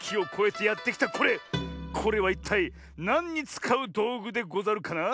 これはいったいなんにつかうどうぐでござるかな？